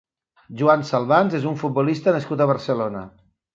Joan Salvans és un futbolista nascut a Barcelona.